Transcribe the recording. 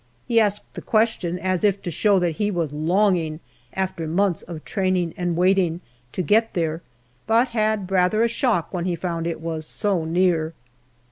He asked the question as if to show that he was longing, after months of training and waiting, to get there, but had rather a shock when he found it was so near.